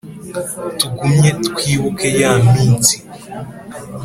Tugumye twibuke ya minsi .